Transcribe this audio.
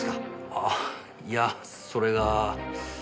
あっいやそれが。